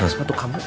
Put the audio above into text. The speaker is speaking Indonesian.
harus bantu kamu